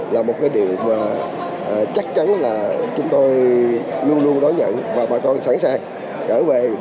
là một cái điều mà chắc chắn là chúng tôi luôn luôn đón nhận và bà con sẵn sàng trở về